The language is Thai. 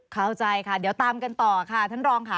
เข้าใจค่ะเดี๋ยวตามกันต่อค่ะท่านรองค่ะ